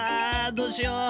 どうしよ。